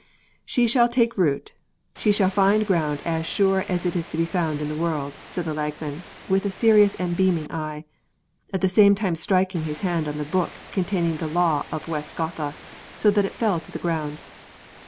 "She shall take root, she shall find ground as sure as it is to be found in the world," said the Lagman, with a serious and beaming eye, at the same time striking his hand on the book containing the law of West Gotha, so that it fell to the ground.